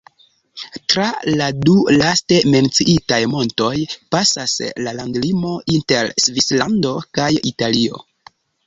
Tra la du laste menciitaj montoj pasas la landlimo inter Svislando kaj Italio.